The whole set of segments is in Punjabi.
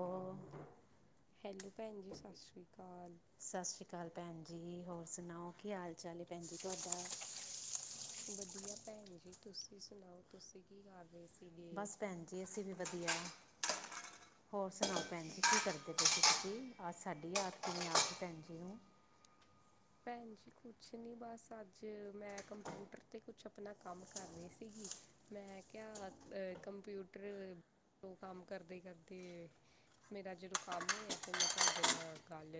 ਉਹ ਹੈਲੋ। ਭੈਣ ਜੀ ਸਤਿ ਸ਼੍ਰੀ ਅਕਾਲ। ਸਤਿ ਸ਼੍ਰੀ ਅਕਾਲ ਭੈਣ ਜੀ, ਹੋਰ ਸੁਣਾਓ ਕੀ ਹਾਲ ਚਾਲ ਹੈ ਭੈਣ ਜੀ ਤੁਹਾਡਾ? ਵਧੀਆ, ਭੈਣ ਜੀ, ਤੁਸੀਂ ਸੁਣਾਓ ਤੁਸੀਂ ਕੀ ਕਰ ਰਹੇ ਸੀ? ਬਸ ਭੈਣ ਜੀ, ਅਸੀਂ ਵੀ ਵਧੀਆ। ਹੋਰ ਸੁਣਾਓ ਭੈਣ ਅੱਛਾ ਜੀ ਕੀ ਕਰਦੇ ਤੁਸੀਂ? ਅਜ ਸਾਡੀ ਯਾਦ ਕਿਵੇਂ ਆ ਗਈ ਭੈਣ ਜੀ ਨੂੰ? ਭੈਣ ਜੀ, ਕੁਛ ਨਹੀਂ ਬਸ ਅੱਜ ਮੈਂ ਕੰਪਿਊਟਰ 'ਤੇ ਕੁਛ ਆਪਣਾ ਕੰਮ ਕਰ ਰਹੀ ਸੀਗੀ, ਮੈਂ ਕਿਹਾ ਕੰਪਿਊਟਰ ਕੰਮ ਕਰਦੇ-ਕਰਦੇ ਮੇਰਾ ਜਦੋਂ ਕੰਮ ਹੋਇਆ ਤਾਂ ਮੈਂ ਤੁਹਾਡੇ ਨਾਲ ਗੱਲ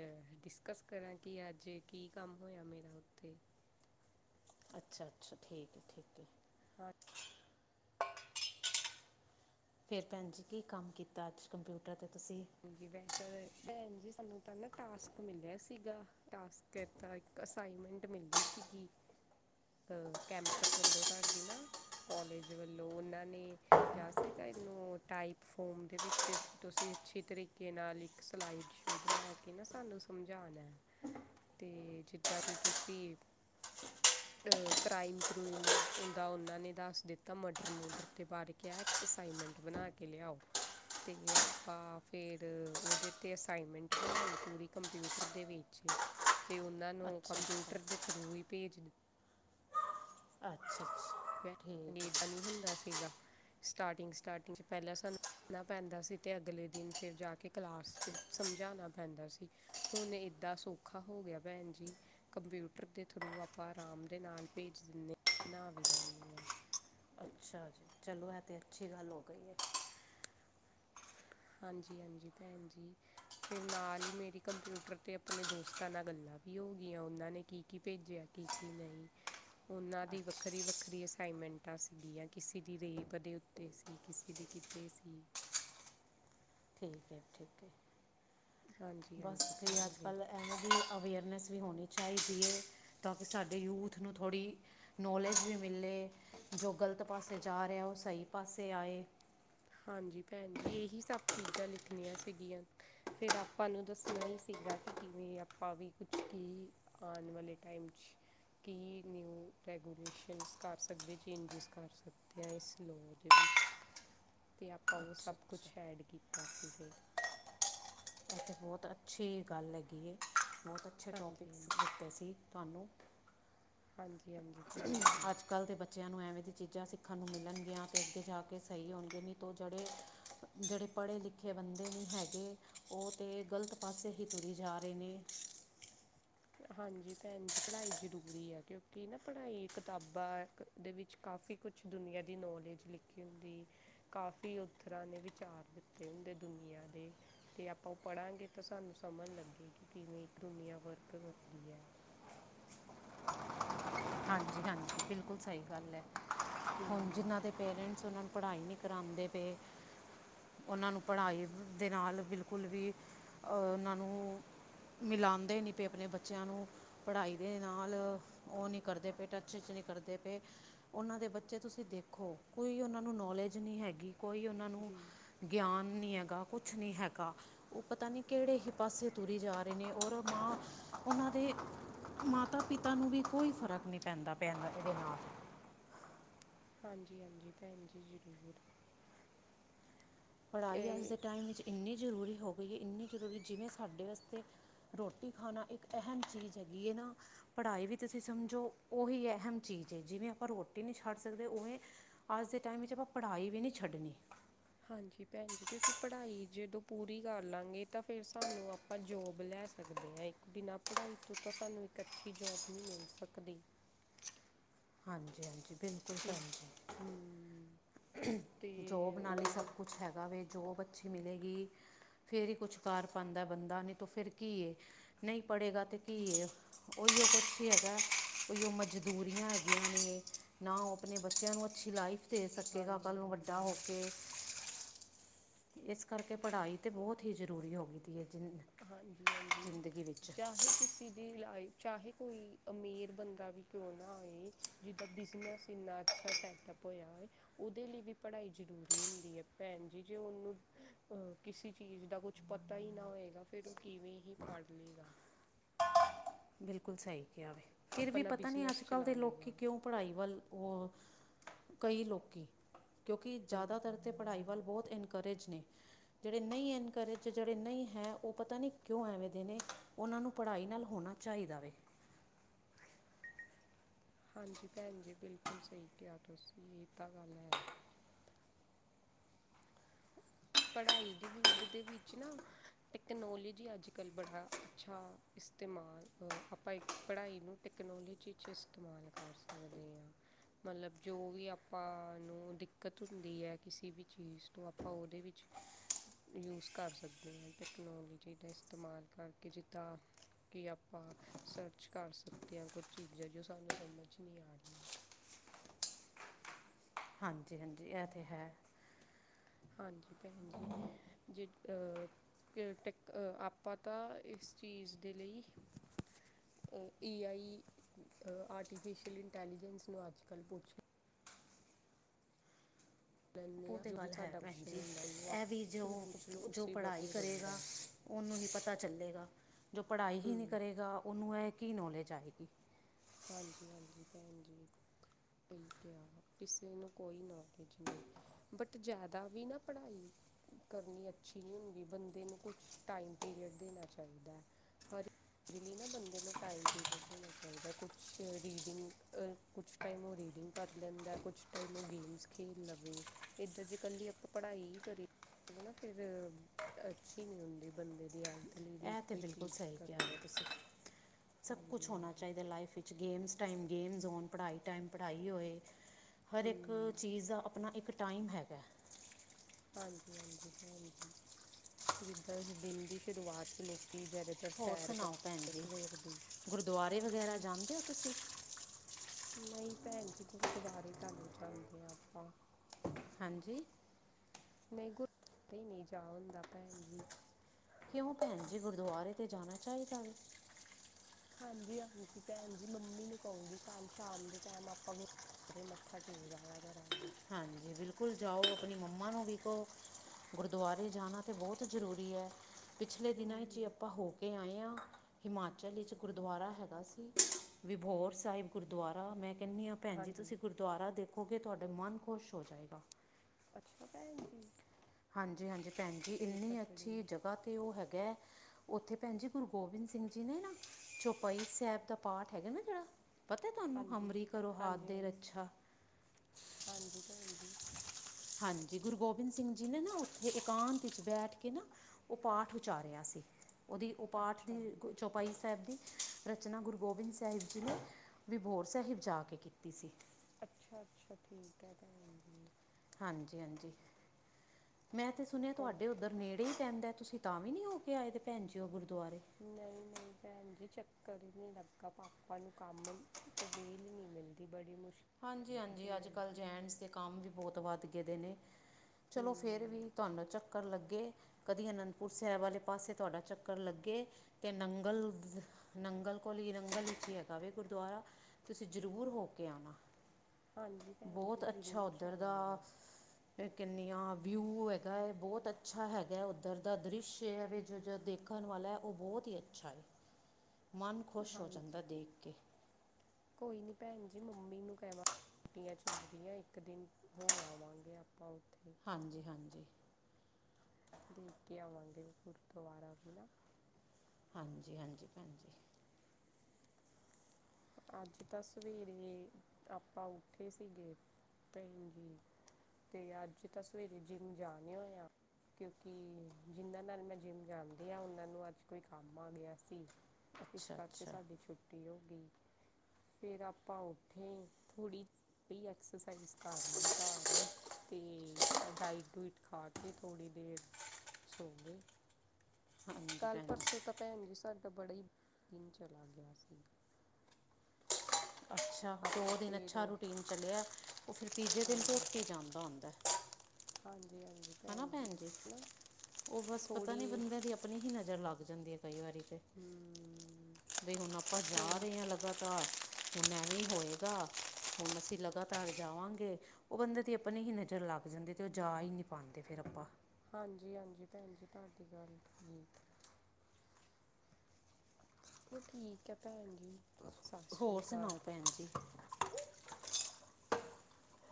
ਡਿਸਕਸ ਕਰਾਂ ਕਿ ਅੱਜ ਕੀ ਕੰਮ ਹੋਇਆ ਮੇਰਾ ਉੱਤੇੇ? ਅੱਛਾ- ਅੱਛਾ, ਠੀਕ ਏ ਠੀਕ ਏ। ਫੇਰ ਭੈਣ ਜੀ ਕੀ ਕੰਮ ਕੀਤਾ ਅੱਜ ਕੰਪਿਊਟਰ ਤੇ? ਤੁਸੀਂ ਹਾਂਜੀ, ਬਿਹਤਰ ਐ ਭੈਣ ਜੀ ਸਾਨੂੰ ਤਾਂ ਨਾ ਟਾਸਕ ਮਿਲਿਆ ਸੀਗਾ ਟਾਸਕ ਤਾਂ ਇੱਕ ਅਸਾਈਨਮੈਂਟ ਮਿਲੀ ਸੀਗੀ ਅ ਕੈਂਪਸ ਵੱਲੋਂ ਸਾਡੀ ਨਾ ਕੋਲੇਜ ਵੱਲੋਂ ਉਹਨਾਂ ਨੇ ਕਿਹਾ ਸੀਗਾ ਇਹਨੂੰ ਟਾਈਪ ਫੋਮ ਦੇ ਵਿੱਚ ਤੁਸੀਂ ਅੱਛੇ ਤਰੀਕੇ ਨਾਲ ਇੱਕ ਸਲਾਈਡ ਸ਼ੂ ਬਣਾ ਕੇ ਨਾ ਸਾਨੂੰ ਸਮਝਾਣਾ ਹੈ ਤੇ ਜਿੱਦਾਂ ਕਿ ਕਿਸੇ ਅਹ ਕ੍ਰਾਈਮ ਕਰੂਮ ਦਾ ਉਹਨਾਂ ਨੇ ਦੱਸ ਦਿੱਤਾ ਮਡਰ-ਮੂਡਰ ਦੇ ਬਾਰੇ ਕਿਹਾ ਇੱਕ ਅਸਾਈਨਮੈਂਟ ਬਣਾ ਕੇ ਲਿਆਓ ਤੇ ਆ ਫਿਰ ਉਹਦੇ 'ਤੇ ਅਸਾਈਨਮੈਂਟ ਬਣਾਈ ਪੂਰੀ ਕੰਪਿਊਟਰ ਦੇ ਵਿੱਚ ਅਤੇ ਉਹਨਾਂ ਨੂੰ ਅੱਛਾ ਕੰਪਿਊਟਰ ਦੇ ਅੱਛਾ ਥਰੂ ਹੀ ਭੇਜ ਦਿੱ ਅੱਛਾ ਅੱਛਾ ਠੀਕ ਏਦਾਂ ਹੈ ਨਹੀਂ ਹੁੰਦਾ ਸੀਗਾ ਸਟਾਰਟਿੰਗ-ਸਟਾਰਟਿੰਗ ਚ ਪਹਿਲਾਂ ਸਾਨੂੰ ਪਣਾ ਪੈਂਦਾ ਸੀ ਤੇ ਅਗਲੇ ਦਿਨ ਫਿਰ ਜਾ ਕੇ ਕਲਾਸ ਚ ਸਮਝਾਣਾ ਪੈਂਦਾ ਸੀ, ਹੁਣ ਏਦਾਂ ਸੌਖਾ ਹੋ ਗਿਆ ਭੈਣ ਜੀ ਕੰਪਿਊਟਰ ਦੇ ਥਰੂ ਆਪਾਂ ਆਰਾਮ ਦੇ ਨਾਲ ਭੇਜ ਦਿੰਦੇ ਨਾ ਵੀ। ਲੈਂਦੇ ਹਾਂ। ਅੱਛਾ ਜੀ ਚਲੋ ਐ ਤੇ ਅੱਛੀ ਗੱਲ ਹੋ ਗਈ ਐ। ਹਾਂਜੀ, ਹਾਂਜੀ ਭੈਣ ਜੀ। ਫਿਰ ਨਾਲ ਹੀ ਮੇਰੀ ਕੰਪਿਊਟਰ 'ਤੇ ਆਪਣੇ ਦੋਸਤਾਂ ਨਾਲ ਗੱਲਾਂ ਵੀ ਹੋ ਗਈਆਂ ਉਹਨਾਂ ਨੇ ਕੀ ਕੀ ਭੇਜਿਆ ਕੀ ਕੀ ਨਹੀਂ ਉਹਨਾਂ ਦੀ ਅੱਛਾ ਵੱਖਰੀ ਵੱਖਰੀ ਅਸਾਈਨਮੈਂਟਾਂ ਸੀਗੀਆਂ ਕਿਸੇ ਦੀ ਰੇਪ ਦੇ ਉੱਤੇ ਸੀ ਕਿਸੇ ਦੀ ਕਿਤੇ ਸੀ। ਠੀਕ ਐ ਠੀਕ ਐ। ਹਾਂਜੀ ਬਸ ਹਾਂਜੀ ਵੀ ਅੱਜ ਭੈਣ ਜੀ ਕੱਲ੍ਹ ਇਹਨਾਂ ਦੀ ਅਵੇਅਰਨੈਸ ਵੀ ਹੋਣੀ ਚਾਹੀਦੀ ਏ ਤਾਂ ਕਿ ਸਾਡੇ ਯੂਥ ਨੂੰ ਥੋੜ੍ਹੀ ਨੌਲੇਜ ਵੀ ਮਿਲੇ, ਜੋ ਗਲਤ ਪਾਸੇ ਜਾ ਰਿਹਾ ਉਹ ਸਹੀ ਪਾਸੇ ਆਏ। ਹਾਂਜੀ। ਭੈਣ ਜੀ ਇਹੀ ਸਭ ਚੀਜ਼ਾਂ ਲਿਖਣੀਆਂ ਸੀਗੀਆਂ, ਫਿਰ ਆਪਾਂ ਨੂੰ ਦੱਸਣਾ ਹੀ ਸੀਗਾ ਕਿ ਕਿਵੇਂ ਆਪਾਂ ਵੀ ਕੁਛ ਕੀ ਆਉਣ ਵਾਲੇ ਟਾਈਮ 'ਚ ਕੀ ਨਿਊ ਰੈਗੂਲੇਸ਼ਨਸ ਕਰ ਸਕਦੇ ਚੇਂਜਿਸ ਕਰ ਸਕਦੇ ਹਾਂ ਇਸ ਲੋਅ ਦੇ ਵਿੱਚ। ਤੇ ਆਪਾਂ ਉਹ ਅੱਛਾ ਸਭ ਕੁਛ ਅੱਛਾ ਐਡ ਕੀਤਾ ਸੀ ਫਿਰ। ਇਹ ਤਾਂ ਬਹੁਤ ਅੱਛੀ ਗੱਲ ਹੈਗੀ ਇਹ। ਬਹੁਤ ਅੱਛਾ ਟੋਪਿਕ ਹਾਂਜੀ ਹਾਂਜੀ ਦਿੱਤੇ ਸੀ। ਤੁਹਾਨੂੰ ਹਾਂਜੀ ਹਾਂਜੀ ਭੈਣ ਜੀ ਅੱਜ ਕੱਲ੍ਹ ਦੇ ਬੱਚਿਆਂ ਨੂੰ ਐਵੇਂ ਦੀ ਚੀਜ਼ਾਂ ਸਿੱਖਣ ਨੂੰ ਮਿਲਣਗੀਆਂ ਅਤੇ ਅੱਗੇ ਜਾ ਕੇ ਸਹੀ ਹੋਣ ਗਈਆਂ ਨਹੀਂ ਤੋ ਜਿਹੜੇ ਜਿਹੜੇ ਪੜ੍ਹੇ ਲਿਖੇ ਬੰਦੇ ਨਹੀਂ ਹੈਗੇ ਉਹ ਤਾਂ ਗਲਤ ਪਾਸੇ ਹੀ ਤੁਰੀ ਜਾ ਰਹੇ ਨੇ। ਹਾਂਜੀ, ਭੈਣ ਜੀ ਪੜ੍ਹਾਈ ਜ਼ਰੂਰੀ ਐ ਕਿਉਂਕਿ ਨਾ ਪੜ੍ਹਾਈ ਕਿਤਾਬਾਂ ਦੇ ਵਿੱਚ ਕਾਫ਼ੀ ਕੁਛ ਦੁਨੀਆਂ ਦੀ ਨੌਲੇਜ ਲਿਖੀ ਹੁੰਦੀ ਕਾਫ਼ੀ ਉੱਥਰਾਂ ਨੇ ਵਿਚਾਰ ਦਿੱਤੇ ਹੁੰਦੇ ਦੁਨੀਆਂ ਦੇ ਤੇ ਆਪਾਂ ਉਹ ਪੜਾਂਗੇ ਤਾਂ ਸਾਨੂੰ ਸਮਝ ਲੱਗੇ ਕਿ ਕਿਵੇਂ ਇੱਕ ਦੁਨੀਆਂ ਵਰ ਕ ਕਰਦੀ ਹੈ। ਹਾਂਜੀ ਹਾਂਜੀ ਬਿਲਕੁਲ ਸਹੀ ਗੱਲ ਐ। ਹਾਂ, ਹੂੰ ਜਿਨਾਂ ਦੇ ਪੇਰੈਂਟਸ ਉਹਨਾਂ ਪੜ੍ਹਾਈ ਨਹੀਂ ਕਰਾਂਦੇ ਪਏ ਉਹਨਾਂ ਨੂੰ ਪੜ੍ਹਾਈ ਦੇ ਨਾਲ ਬਿਲਕੁਲ ਵੀ ਉਹਨਾਂ ਨੂੰ ਮਿਲਾਂਦੇ ਨਹੀਂ ਪਏ ਆਪਣੇ ਬੱਚਿਆਂ ਨੂੰ ਪੜ੍ਹਾਈ ਦੇ ਨਾਲ ਉਹ ਨਹੀਂ ਕਰਦੇ ਪਏ ਟੱਚ ਚ ਨਹੀਂ ਕਰਦੇ ਪਏ ਉਹਨਾਂ ਦੇ ਬੱਚੇ ਤੁਸੀਂ ਦੇਖੋ ਕੋਈ ਉਹਨਾਂ ਨੂੰ ਨੌਲੇਜ ਨਹੀਂ ਹੈਗੀ। ਕੋਈ ਉਹਨਾਂ ਨੂੰ ਜੀ ਗਿਆਨ ਨਹੀਂ ਐ। ਹੈਗਾ ਕੁਛ ਨੀ ਹੈਗਾ ਉਹ ਪਤਾ ਨੀ ਕਿਹੜੇ ਹੀ ਪਾਸੇ ਤੁਰੀ ਜਾ ਰਹੇ ਨੇ ਔਰ ਮਾਂ ਉਹਨਾਂ ਦੇ ਮਾਤਾ ਪਿਤਾ ਨੂੰ ਵੀ ਕੋਈ ਫਰਕ ਨਹੀਂ ਪੈਂਦਾ। ਪੈਂਦਾ ਇਹਦੇ ਨਾਲਾਂ ਹਾਂਜੀ ਹਾਂਜੀ ਭੈਣ ਜੀ ਜ਼ਰੂਰ ਪੜ੍ਹਾਈ ਅੱਜ ਇਹ ਦੇ ਟਾਈਮ ਵਿੱਚ ਇੰਨੀ ਜ਼ਰੂਰੀ ਹੋ ਗਈ ਹੈ ਇੰਨੀ ਜ਼ਰੂਰੀ ਜਿਵੇਂ ਸਾਡੇ ਵਾਸਤੇ ਰੋਟੀ ਖਾਣਾ ਇੱਕ ਅਹਿਮ ਚੀਜ਼ ਹੈਗੀ ਹੈ ਨਾ ਪੜ੍ਹਾਈ ਵੀ ਤੁਸੀਂ ਸਮਝੋ ਉਹੀ ਅਹਿਮ ਚੀਜ਼ ਹੈ ਜਿਵੇਂ ਆਪਾਂ ਰੋਟੀ ਨਹੀਂ ਛੱਡ ਸਕਦੇ ਉਵੇਂ ਅੱਜ ਦੇ ਟਾਈਮ ਵਿੱਚ ਆਪਾਂ ਪੜ੍ਹਾਈ ਵੀ ਨੀ ਛੱਡਣੀ ਹਾਂਜੀ ਭੈਣ ਜੀ ਕਿਉਂਕਿ ਪੜ੍ਹਾਈ ਜਦੋਂ ਪੂਰੀ ਕਰ ਲਾਂਗੇ ਤਾਂ ਫਿਰ ਸਾਨੂੰ ਆਪਾਂ ਜੋਬ ਲੈ ਸਕਦੇ ਹਾਂ ਇੱਕ ਬਿਨਾਂ ਪੜ੍ਹਾਈ ਤੋਂ ਤਾਂ ਸਾਨੂੰ ਇੱਕ ਅੱਛੀ ਜੋਬ ਨਹੀਂ ਮਿਲ ਸਕਦੀ। ਹਾਂਜੀ ਹਾਂਜੀ। ਬਿਲਕੁਲ ਪਿੰ ਭੈਣਜੀ ਹਮ ਤੇ ਜੋਬ ਨਾਲ ਹੀ ਉਹ ਸਭ ਕੁਛ ਹੈਗਾ ਵੇ। ਜੋਬ ਅੱਛੀ ਮਿਲੇਗੀ ਫੇਰ ਹੀ ਕੁਛ ਕਰ ਪਾਦਾ ਬੰਦਾ ਨਹੀਂ ਤੂੰ ਕੇ ਫਿਰ ਏ ਨਹੀਂ ਪੜ੍ਹੇਗਾ ਤਾਂ ਕੀ ਏ ਉਹੀਓ ਕੁਛ ਹੈਗਾ ਉਹੀਓ ਮਜ਼ਦੂਰੀਆਂ ਹੈਗ ਹੀ ਨਹੀ, ਨਾ ਉਹ ਆਪਣੇ ਬੱਚਿਆਂ ਨੂੰ ਅੱਛੀ ਲਾਈਫ ਦੇ ਸਕੇਗਾ ਹਾਂਜੀ ਕਲ ਨੂੰ ਵੱਡਾ ਹਾਂਜੀ ਹੋ ਕੇ ਇਸ ਕਰਕੇ ਪੜ੍ਹਾਈ ਤੇ ਬਹੁਤ ਹੀ ਜ਼ਰੂਰੀ ਹੋ ਗਈ ਦੀ ਐ, ਹਾਂਜੀ ਹਾਂਜੀ ਚਾਹੇ ਕਿਸੇ ਦੀ ਲਾਈ ਚਾਹੇ ਕੋਈ ਅਮੀਰ ਬੰਦਾ ਵੀ ਕਿਉਂ ਨਾ ਹੋਏ ਜਿਦਾ ਬਿਜਨਸ ਇੰਨਾ ਅੱਛਾ ਸੈਟਅਪ ਹੋਇਆ ਉਹਦੇ ਲਈ ਵੀ ਪੜ੍ਹਾਈ ਜ਼ਰੂਰੀ ਹੁੰਦੀ ਹੈ ਭੈਣ ਜੀ ਜੇ ਉਹਨੂੰ ਕਿਸੇ ਚੀਜ਼ ਦਾ ਕੁਛ ਪਤਾ ਹੀ ਨਾ ਹੋਏਗਾ। ਫਿਰ ਉਹ ਕਿਵੇਂ ਹੀ ਪੜ੍ਹ ਲਏਗਾ। ਬਿਲਕੁਲ ਸਹੀ। ਫਿਰ ਵੀ ਆਪਣਾ ਪਤਾ ਨੀ ਅੱਜ ਬਿਜ਼ਨਸ ਕੱਲ ਦੇ ਚਲਾ ਲੋਕੀ ਲਏਗਾ ਕਿਉਂ ਪੜ੍ਹਾਈ ਵੱਲ ਉਹ ਕਈ ਲੋਕੀ ਕਿਉਂਕਿ ਜ਼ਿਆਦਾਤਰ ਤਾਂ ਪੜ੍ਹਾਈ ਵੱਲ ਬਹੁਤ ਇਨਕਰੇਜ ਨੇ ਜਿਹੜੇ ਨਹੀਂ ਐਨਕਜ ਜਿਹੜੇ ਨਹੀਂ ਹੈ ਉਹ ਪਤਾ ਨੀ ਕਿਉਂ ਐਵੇਂ ਦੇ ਨੇ ਉਹਨਾਂ ਨੂੰ ਪੜ੍ਹਾਈ ਨਾਲ ਹੋਣਾ। ਚਾਹੀਦਾ ਵੇ। ਹਾਂਜੀ ਭੈਣ ਜੀ ਬਿਲਕੁਲ ਸਹੀ ਕਿਹਾ ਤੁਸੀ ਇਹ ਤਾਂ ਗੱਲ ਹੈ। ਪੜ੍ਹਾਈ ਦੀ ਫੀਲਡ ਦੇ ਵਿੱਚ ਨਾ ਟੈਕਨੋਲੋਜੀ ਅੱਜ ਕੱਲ੍ਹ ਬੜਾ ਅੱਛਾ ਇਸਤੇਮਾਲ ਆਪਾਂ ਇੱਕ ਪੜ੍ਹਾਈ ਨੂੰ ਟੈਕਨੋਲੋਜੀ 'ਚ ਇਸਤੇਮਾਲ ਕਰ ਸਕਦੇ ਹਾਂ, ਮਤਲਬ ਜੋ ਵੀ ਆਪਾਂ ਨੂੰ ਦਿੱਕਤ ਹੁੰਦੀ ਹੈ ਕਿਸੇ ਵੀ ਚੀਜ਼ ਤੋਂ ਆਪਾਂ ਉਹਦੇ ਵਿੱਚ ਯੂਸ ਕਰ ਸਕਦੇ ਹਾਂ ਟੈਕਨੋਲੋਜੀ ਦਾ ਇਸਤੇਮਾਲ ਕਰਕੇ ਜਿੱਦਾਂ ਕਿ ਆਪਾਂ ਸਰਚ ਕਰ ਸਕਦੇ ਹਾਂ ਕੁਝ ਚੀਜ਼ਾਂ ਜੋ ਸਾਨੂੰ ਸਮਝ ਨਹੀਂ ਆ ਰਹੀਆਂ। ਹਾਂਜੀ ਹਾਂਜੀ, ਇਹ ਤਾਂ ਹੈ। ਹਾਂਜੀ ਭੈਣ ਜੀ ਜੇ ਟ ਆਪਾਂ ਤਾਂ ਇਸ ਚੀਜ਼ ਦੇ ਲਈ ਏ ਆਈ ਆਰਟੀਫਿਸ਼ਅਲ ਇੰਟੈਲੀਜੈਂਸ ਨੂੰ ਅੱਜ ਕੱਲ੍ਹ ਪੁੱਛ ਲ ਲੈਂਦੇ ਉਹ ਹਾਂ ਤੇ ਜੋ ਵੀ ਗੱਲ ਹੈ ਸਾਡਾ ਭੈਣ ਕੁਸ਼ਚਨ ਜੀ ਹੁੰਦਾ ਉਹਨੂੰ ਆਪ ਇਹ ਵੀ ਕੁਛ ਜੋ ਪੁੱਛ ਲਓ ਜੋ ਉਸੇ ਵਕਤ ਪੜ੍ਹਾਈ ਦੇ ਦਿੰਦਾ ਕਰੇਗਾ, ਹੈ ਉਹਨੂੰ ਨੀ ਪਤਾ ਚੱਲੇਗਾ। ਜੋ ਪੜ੍ਹਾਈ ਹੀ ਨੀ ਹੂੰ ਕਰੇਗਾ, ਉਹਨੂੰ ਇਹ ਕੀ ਨੌਲੇਜ ਆਏਗੀ। ਹਾਂਜੀ ਹਾਜੀ ਭੈਣ ਜੀ, ਕਿਸੇ ਨੂੰ ਕੋਈ ਨੋਲਸ ਨੀ ਬਟ ਜਿਆਦਾ ਦਾ ਵੀ ਨਾ ਪੜਾਈ ਕਰਨੀ ਅਛੀ ਨੀ ਹੁੰਦੀ ਬੰਦੇ ਨੂੰ ਕੁਛ ਪੀਰੀਅਡ ਦੇਣਾ ਚਾਹੀਦਾ ਹਰ ਬੰਦੇ ਨੁੰ ਨਾ ਟਾਈਮ ਪੀਰੀਅਡ ਦੇਣਾ ਚਾਹੀਦਾ। ਕੁਛ ਰੀਡਿੰਗ ਕੁਛ ਟਾਈਮ ਉਹ ਰੀਡਿੰਗ ਕਰ ਲੈਂਦਾ ਕੁਛ ਟਾਈਮ ਉਹ ਗੇਮਸ ਖੇਲ ਲਵੇ ਇੱਧਰ ਜੇ ਇਕੱਲੀ ਆਪਾਂ ਪੜ੍ਹਾਈ ਹੀ ਕਰਾਗੇ, ਨਾ ਫਿਰ ਅੱਛੀ ਨਹੀਂ ਹੁੰਦੀ ਬੰਦੇ ਦੀ ਹੈਲ ਇਹ ਤਾਂ ਬਿਲਕੁਲ ਸਹੀ ਕਿਆ ਏ ਤੁਸੀਂ ਸਭ ਕੁਛ ਹਾਂਜੀ ਹੋਣਾ ਹਾਂਜੀ ਚਾਹੀਦਾ ਲਾਈਫ ਵਿੱਚ ਗੇਮਸ ਟਾਈਮ ਗੇਮਸ ਹੋਣ ਪੜ੍ਹਾਈ ਟਾਈਮ ਪੜ੍ਹਾਈ ਹੋਏ। ਹਰ ਇੱਕ ਹੂੰ ਚੀਜ਼ ਦਾ ਆਪਣਾ ਇੱਕ ਟਾਈਮ ਹੈਗਾ। ਹਾਂਜੀ ਹਾਂਜੀ ਭੈਣ ਜੀ ਜਿਦਾਂ ਦਿਨ ਦੀ ਸ਼ੁਰੂਆਤ ਚ ਲੋਕ ਹੋਰ ਸੁਣਾਓ ਭੈਣ ਜੀ ਦੀ ਗੁਰਦੁਆਰੇ ਵਗੈਰਾ ਜਾਦੇ ਹੋ ਦੇ ਹੋ ਤੁਸੀਂ। ਨਹੀਂ, ਭੈਣ ਜੀ ਗੁਰਦੁਆਰੇ ਤਾਂ ਨਹੀਂ ਜਾਂਦੇ ਆਪਾਂ। ਹਾਂਜੀ। ਨਹੀਂ, ਗੁਰ ਨਹੀਂ ਜਾ ਹੁੰਦਾ ਭੈਣ ਜੀ। ਕਿਉਂ ਭੈਣ ਜੀ ਗੁਰਦੁਆਰੇ ਤੇ ਜਾਣਾ ਚਾਹੀਦਾ ਵੈ। ਹਾਂਜੀ, ਹਾਂਜੀ। ਭੈਣ ਜੀ ਮੰਮੀ ਨੂੰ ਕਹੂੰਗੀ ਕੱਲ ਸ਼ਾਮ ਦੇ ਟੈਮ ਆਪਾਂ ਗੁਰੂਦੁਆਰੇ ਮੱਥਾ ਟੇਕ ਆਇਆ ਘਰਾਂ ਨੂੰ। ਹਾਂਜੀ। ਬਿਲਕੁਲ ਜਾਓ ਆਪਣੀ ਮੰਮਾ ਨੂੰ ਕਹੋ। ਗੁਰਦੁਆਰੇ ਜਾਣਾ ਤਾਂ ਬਹੁਤ ਜ਼ਰੂਰੀ ਹੈ। ਪਿਛਲੇ ਦਿਨਾਂ ਵਿੱਚ ਬੰਗਾਲ ਹੀ ਹਮ, ਆਪਾਂ ਹੋ ਕੇ ਆਏ ਹਾਂ। ਹਿਮਾਚਲ ਵਿੱਚ ਗੁਰਦੁਆਰਾ ਹੈਗਾ ਸੀ। ਵਿਭੋਰ ਸਾਹਿਬ ਗੁਰਦੁਆਰਾ। ਮੈਂ ਕਹਿੰਦੇ ਹਾਂ ਭੈਣ ਜੀ ਹਾਂਜੀ ਤੁਸੀਂ ਗੁਰਦੁਆਰਾ ਦੇਖੋ। ਤੁਹਾਡੇ ਮਨ ਖੁਸ਼ ਹੋ ਜਾਏਗਾ। ਅੱਛਾ ਭੈਣ ਜੀ ਹਾਂਜੀ, ਹਾਂਜੀ ਭੈਣ ਜੀ। ਫੇਰ ਤਾਂ ਇੰਨੀ ਅੱਛੀ ਬੜੀ ਜਗ੍ਹਾ ਤੇ ਉਹ ਹੈਗਾ ਹੈ। ਉੱਥੇ ਭੈਣ ਜੀ ਗੁਰੂ ਗੋਬਿੰਦ ਸਿੰਘ ਜੀ ਨੇ ਨਾ ਚੋਪਈ ਸਾਹਿਬ ਦਾ ਪਾਠ ਹੈਗਾ ਨਾ ਜਿਹੜਾ। ਪਤਾ ਤੁਹਾਨੂੰ ਹਾਂਜੀ ਹਮਰੀ ਕਰੋ ਹਾਥ ਹਾਂਜੀ ਦੇ ਹਾਂਜੀ, ਰੱਛਾ। ਹਾਂਜੀ, ਭੈਣ ਜੀ। ਹਾਂਜੀ, ਗੁਰੂ ਗੋਬਿੰਦ ਸਿੰਘ ਜੀ ਨੇ ਨਾ ਉਥੇ ਏਕਾਂਤ ਵਿੱਚ ਬੈਠ ਕੇ ਨਾ ਉਹ ਪਾਠ ਵਿਚਾਰਿਆ ਸੀ। ਉਹਦੀ ਪਾਠ ਅੱਛਾ ਦੀ ਚੌਪਾਈ ਸਾਹਿਬ ਦੀ ਰਚਨਾ ਗੁਰੂ ਗੋਬਿੰਦ ਸਾਹਿਬ ਜੀ ਨੇ ਵਿਭੋਰ ਸਾਹਿਬ ਜਾ ਕੇ ਕੀਤੀ ਸੀ। ਅੱਛਾ, ਅੱਛਾ। ਠੀਕ ਆ ਭੈਣ ਜੀ। ਹਾਂਜੀ, ਹਾਂਜੀ। ਮੈਂ ਤੇ ਸੁਣਿਆ ਕੋਈ ਤੁਹਾਡੇ ਉੱਧਰ ਨੇੜੇ ਈ ਪੈਂਦਾ। ਤੁਸੀਂ ਤਾਂ ਵੀ ਨੀ ਹੋ ਕੇ ਆਏ ਦੇ ਭੈਣ ਜੀ ਉਹ ਗੁਰੂ ਨਹੀਂ, ਨਹੀਂ ਭੈਣ ਜੀ। ਚੱਕ ਨੀ ਲੱਗਾ ਪਾਪਾ ਨੂੰ ਕੰਮ ਤੋਂ ਵੇਲ ਨੀ ਮਿਲਦੀ। ਬੜੀ ਮੁਸ਼ਕਿਲ ਹਾਂਜੀ, ਦੀ ਹਾਂਜੀ। ਜੀ ਅੱਜ ਮੈਨੂੰ ਕੱਲ੍ਹ ਜੈਟਸ ਦੇ ਕੰਮ ਵੀ ਬਹੁਤ ਵੱਧ ਗਏ ਦੇ ਨੇ। ਚਲੋ ਫੇਰ ਹਮ ਵੀ ਤੁਹਾਨੂੰ ਚੱਕਰ ਲੱਗੇ ਕਦੀ ਅਨੰਦਪੁਰ ਸਾਹਿਬ ਵਾਲੇ ਪਾਸੇ ਤੁਹਾਡਾ ਚੱਕਰ ਲੱਗੇ ਤੇ ਨੰਗਲ ਨੰਗਲ ਕੋਲ ਹੀ ਨੰਗਲ ਵਿੱਚ ਹੈਗਾ ਵੈ ਗੁਰਦੁਆਰਾ। ਤੁਸੀਂ ਜ਼ਰੂਰ ਹੋ ਕੇ ਆਣਾ। ਹਾਂਜੀ ਭੈਣ ਜੀ ਬਹੁਤ ਅੱਛਾ ਜ਼ਰੂਰ ਉੱਧਰ ਜਾਵਾਂਗੇ ਦਾ। ਕਿੰਨੀਆਂ ਵਿਊ ਹੈਗਾ ਐ। ਬਹੁਤ ਅੱਛਾ ਹੈਗਾ। ਉੱਧਰ ਦਾ ਦ੍ਰਿਸ਼ ਹੈ ਵੀ ਜੋ ਜੋ ਦੇਖਣ ਵਾਲਾ ਹੈ। ਉਹ ਬਹੁਤ ਹੀ ਅੱਛਾ ਹੈ। ਮਨ ਖੁਸ਼ ਹੋ ਹਾਂਜੀ ਜਾਂਦਾ ਦੇਖ ਕੇ। ਕੋਈ ਨਹੀਂ ਭੈਣ ਜੀ, ਮੰਮੀ ਨੂੰ ਕਹਿਵਾਂਗੇ ਛੁਟੀਆਂ ਚੱਲਦੀਆਂ ਇੱਕ ਦਿਨ ਹੋ ਆਵਾਂਗੇ ਆ ਹਾਂਜੀ, ਹਾਂਜੀ। ਦੇਖ ਕੇ ਆਵਾਂਗੇ ਉਹ ਗੁਰਦੁਆਰਾ ਵੀ ਨਾ। ਹਾਂਜੀ, ਹਾਂਜੀ। ਭੈਣਜੀ। ਅੱਜ ਤਾਂ ਸਵੇਰੇ ਆਪਾਂ ਉਠੇ ਸੀਗੇ, ਭੈਣ ਜੀ ਤੇ ਅੱਜ ਤਾਂ ਸਵੇਰੇ ਜਿੰਮ ਜਾਣ ਹੋ ਆ ਕਿਉਂਕਿ ਜਿੰਹਨਾਂ ਨਾਲ ਮੈਂ ਜਿੰਮ ਜਾਂਦੀ ਹਾਂ ਉਹਨਾਂ ਨੂੰ ਅੱਜ ਕੋਈ ਕੰਮ ਆ ਗਿਆ ਸੀ। ਇਸ ਅੱਛਾ ਕਰਕੇ ਅੱਛਾ ਸਾਡੀ ਛੁੱਟੀ ਹੋ ਗਈ। ਫਿਰ ਆਪਾਂ ਉੱਠੇ ਥੋੜ੍ਹੀ ਐਕਸਰਸਾਈਜ਼ ਕਰ ਲਈ ਘਰ ਹੀ ਤੇ ਡਾਇਟ, ਡਇਟ ਖਾ ਕੇ ਥੋੜ੍ਹੀ ਦੇਰ ਸੋਗੇ। [inaudible] ਹਾਂਜੀ ਕੱਲ ਭੈਣ ਜੀ ਪਰਸੋਂ ਤਾਂ ਭੈਣ ਜੀ ਸਾਡੇ ਤਾਂ ਬੜਾ ਹੀ ਦਿਨ ਚਲਾ ਗਿਆ ਸੀਗਾ। [inaudible] ਅੱਛਾ ਦੋ ਦਿਨ ਫਿਰ ਅੱਛਾ ਰੂਟੀਨ ਚਲਿਆ, ਉਹ ਫਿਰ ਤੀਜੇ ਦਿਨ ਹਾਂਜੀ ਟੁਟ ਕੇ ਜਾਂਦਾ ਹੁੰਦਾ। ਹਾਂਜੀ ਹਾਂਜੀ [inaudible] ਹਨਾ ਭੈਣ ਜੀ, ਨਾ ਉਹ ਬਸ ਪਤਾ ਨੀ ਥੋੜ੍ਹੀ ਬੰਦੇ ਦੀ ਆਪਣੀ ਹੀ ਨਜ਼ਰ ਲਾ ਲੱਗ ਜਾਂਦੀ ਏ। ਕਈ ਵਾਰੀ ਤੇ ਬਈ ਹੁਣ ਆਪਾਂ ਥੋ ਜਾ ਰਹੇ ਹਾਂ ਲਗਾਤਾਰ ਹਣ ਐਵੇ ਹੀ ਹੋਏਗਾ ਹੁਣ ਅਸੀਂ ਲਗਾਤਾਰ ਜਾਵਾਂਗੇ ਉਹ ਬੰਦੇ ਦੀ ਆਪਣੀ ਹੀ ਨਜ਼ਰ ਲੱਗ ਜਾਂਦੀ ਤੇ ਉਹ ਜਾ ਹੀ ਪਾਉਂਦੇ ਫਿਰ ਆਪਾਂ ਹਾਂਜੀ-ਹਾਂਜੀ ਭੈਣ ਜੀ ਤੁਹਾਡੀ ਗੱਲ ਠੀਕ ਏ। ਚਲੋ ਠੀਕ ਹੈ ਭੈਣ ਜੀ। ਸਤਿ ਸ਼੍ਰੀ ਹੋਰ ਅਕਾਲ ਸੁਣਾਓ ਭੈਣ ਜੀ?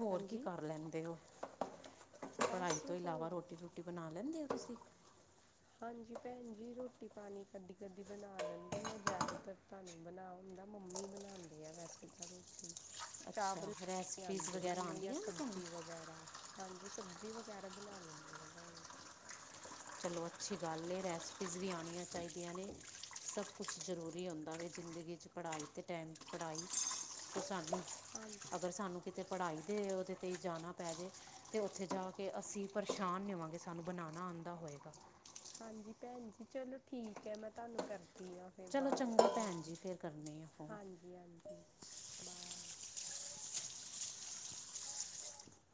ਹੋਰ ਕੀ ਹਾਂਜੀ ਕਰ ਲੈਂਦੇ ਉ [inaudible] ਪੜ੍ਹਾਈ ਬਸ ਤੋਂ ਹੋਰ ਇਲਾਵਾ ਰੋਟੀ ਰੂਟੀ ਬਣਾ ਰੇਂਦੇ ਓ ਤੁਸੀਂ ਹਾਂਜੀ ਭੈਣ ਜੀ, ਰੋਟੀ ਪਾਣੀ ਕਦੀ, ਕਦੀ ਬਣਾ ਲੈਂਦੀ ਆ ਜ਼ਿਆਦਾਤਰ ਤਾਂ ਨਹੀਂ ਬਣਾ ਹੁੰਦਾ ਮੰਮੀ ਬਣਾਉਂਦੇ ਆ ਵੈਸੇ ਤਾਂ ਰੋਟੀ ਅੱਛਾ ਚਾਵਲ ਰੈਸਪੀਜ਼ ਆਉਂਦੇ ਵਗੈਰਾ ਮੈਨੂੰ ਯਾ ਆਉਂਦੀਆਂ ਨੇ ਤੁਹਾਨੂੰ ਸਬਜ਼ੀ ਵਗੈਰਾ ਹਾਂਜੀ ਸਬਜ਼ੀ ਵਗੈਰਾ ਬਣਾ ਲੈਂਦੀ ਹਾਂ ਭੈਣ ਜੀ। ਚਲੋ ਅੱਛੀ ਗੱਲ ਹੈ, ਰੈਸਪੀਜ਼ ਵੀ ਆਉਣੀਆਂ ਚਾਹੀਦੀਆਂ ਨੇ ਸਭ ਕੁਛ ਜ਼ਰੂਰੀ ਹੁੰਦਾ ਹੈ ਜ਼ਿੰਦਗੀ 'ਚ ਪੜ੍ਹਾਈ ਅਤੇ ਟਾਈਮ 'ਚ ਪੜ੍ਹਾਈ ਕੁ ਹਾਂਜੀ ਅਗਰ ਸਾਨੂੰ ਕਿਤੇ ਪੜ੍ਹਾਈ ਦੇ ਉਹਦੇ 'ਤੇ ਜਾਣਾ ਪੈ ਜਾਵੇ, ਅਤੇ ਉੱਥੇ ਜਾ ਕੇ ਅਸੀਂ ਪਰੇਸ਼ਾਨ ਨਹੀਂ ਹੋਵਾਂਗੇ ਸਾਨੂੰ ਬਣਾਣਾ ਆਂ ਆ ਹੋਏਗਾ। ਹਾਂਜੀ ਭੈਣ ਜੀ, ਚਲੋ ਠੀਕ ਹੈ ਮੈਂ ਤੁਹਾਨੂੰ ਕਰ ਠੀਕ ਏ ਫਿਰ ਚਲੋ ਬਾਅਦ 'ਚ ਚੰਗਾ ਕੋਲ ਭੈਣ ਜੀ ਫਿਰ ਕਰਨੇ ਆ ਫੋਨ ਹਾਂਜੀ- ਹਾਂਜੀ ਬਾਏ।